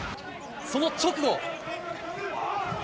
その直後。